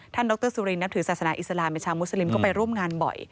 ดรสุรินนับถือศาสนาอิสลามเป็นชาวมุสลิมก็ไปร่วมงานบ่อย